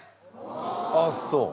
ああそう。